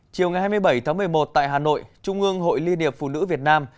chiều ngày hai mươi bảy tháng một mươi một tại hà nội trung ương hội liên hiệp phụ nữ việt nam